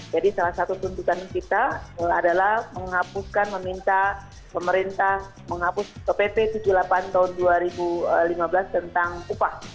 salah satu tuntutan kita adalah menghapuskan meminta pemerintah menghapus pp tujuh puluh delapan tahun dua ribu lima belas tentang upah